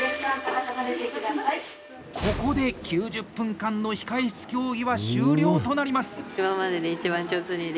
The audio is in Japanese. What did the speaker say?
ここで９０分間の「控え室競技」は終了となります。